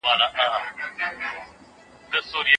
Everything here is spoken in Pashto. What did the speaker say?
افغان ښځي د خپلو اساسي حقونو دفاع نه سي کولای.